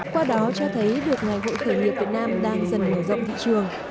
qua đó cho thấy được ngày hội khởi nghiệp việt nam đang dần mở rộng thị trường